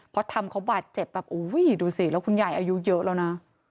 เพราะทำเขาบาดเจ็บแบบอุ้ยดูสิแล้วคุณยายอายุเยอะแล้วนะ